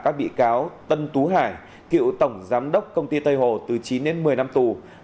các bị cáo tân tú hải cựu tổng giám đốc công ty tây hồ từ chín đến một mươi năm tù